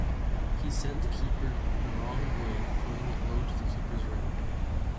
He sent the keeper the wrong way, putting it low to the keeper's right.